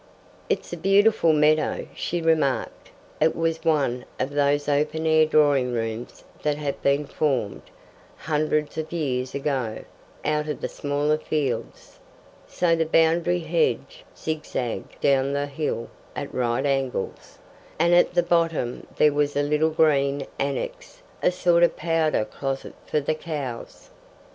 "It's a beautiful meadow," she remarked. It was one of those open air drawing rooms that have been formed, hundreds of years ago, out of the smaller fields. So the boundary hedge zigzagged down the hill at right angles, and at the bottom there was a little green annex a sort of powder closet for the cows.